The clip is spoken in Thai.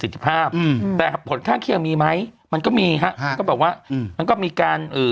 แต่ผลข้างเคียงมีไหมมันก็มีครับก็บอกว่ามันก็มีการ